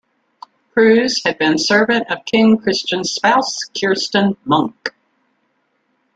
Kruse had been servant of King Christian's spouse, Kirsten Munk.